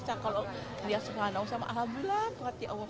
saya kalau lihat subhanallah saya mengalami lah